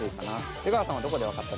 出川さんはどこで分かったんですか？